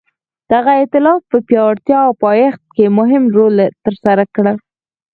دغه ایتلاف په پیاوړتیا او پایښت کې مهم رول ترسره کړ.